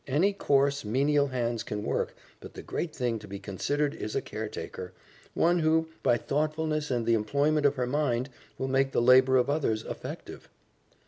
Any coarse, menial hands can work, but the great thing to be considered is a caretaker; one who, by thoughtfulness and the employment of her mind, will make the labor of others affective."